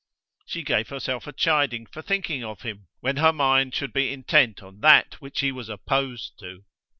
She gave herself a chiding for thinking of him when her mind should be intent on that which he was opposed to.